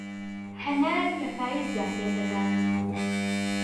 هەنار لە پایزدا پێدەگات